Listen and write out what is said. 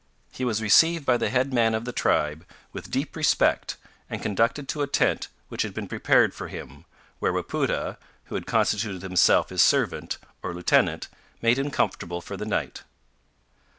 He was received by the head men of the tribe with deep respect and conducted to a tent which had been prepared for him, where Wapoota, who had constituted himself his servant or lieutenant made him comfortable for the night.